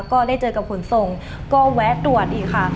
ก็ได้เจอกับขนส่งก็แวะตรวจอีกค่ะ